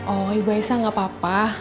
oh ibu aisa gak apa apa